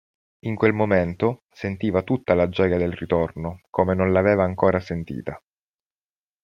In quel momento, sentiva tutta la gioia del ritorno, come non l'aveva ancora sentita.